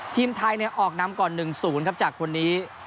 ทีมไทยออกนำก่อน๑๐ครับจากคนนี้